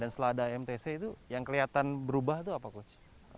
dan selada emtc itu yang kelihatan berubah itu apa coach